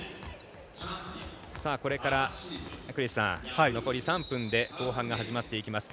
これから、残り３分で後半が始まっていきます。